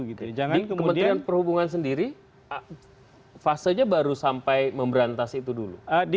di kementerian perhubungan sendiri fasenya baru sampai memberantas itu dulu